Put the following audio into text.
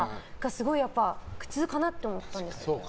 すごい苦痛かなと思ったんですよ。